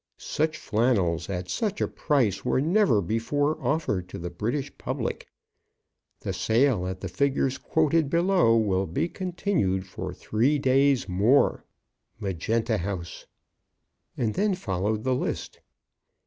Such flannels, at such a price, were never before offered to the British public. The sale, at the figures quoted below, will continue for three days more. Magenta House. And then followed the list.